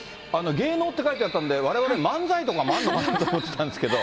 芸能って書いてあったんで、われわれ、漫才とかもあるのかなと思ってたんですけど。